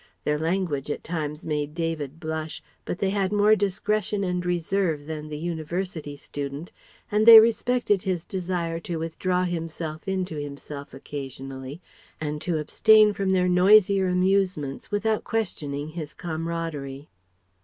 Their language at times made David blush, but they had more discretion and reserve than the University student, and they respected his desire to withdraw himself into himself occasionally, and to abstain from their noisier amusements without questioning his camaraderie.